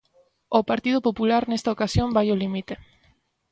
O Partido Popular nesta ocasión vai ao límite.